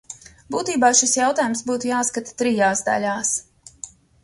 Būtībā šis jautājums būtu jāskata trijās daļās.